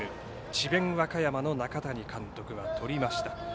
智弁和歌山の中谷監督が取りました。